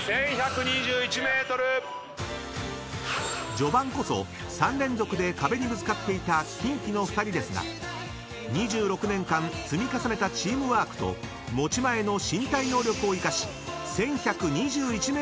［序盤こそ３連続で壁にぶつかっていたキンキの２人ですが２６年間積み重ねたチームワークと持ち前の身体能力を生かし］